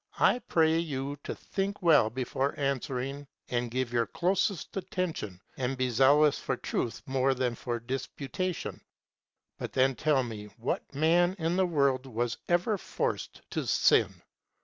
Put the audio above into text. I pray you to think well before answering, and give your closest attention, and be jealous for truth more than for disputation, but then tell me what man in the world was ever forced to sin?